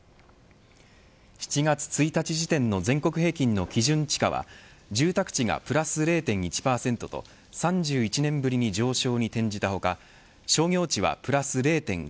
７月１日時点の全国平均の基準地価は住宅地がプラス０．１％と３１年ぶりに上昇に転じた他商業地はプラス０．５％